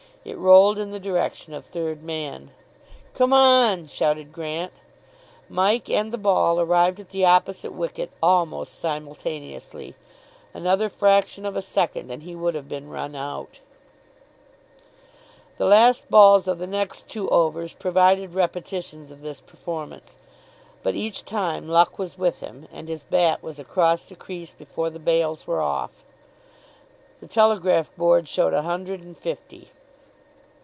It rolled in the direction of third man. "Come on," shouted Grant. Mike and the ball arrived at the opposite wicket almost simultaneously. Another fraction of a second, and he would have been run out. [Illustration: MIKE AND THE BALL ARRIVED ALMOST SIMULTANEOUSLY] The last balls of the next two overs provided repetitions of this performance. But each time luck was with him, and his bat was across the crease before the bails were off. The telegraph board showed a hundred and fifty.